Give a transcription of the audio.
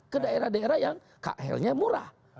ke daerah daerah yang murah